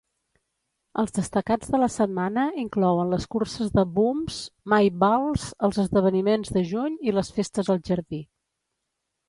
Els destacats de la setmana inclouen les curses de Bumps, May Balls, els Esdeveniments de Juny i les festes al jardí.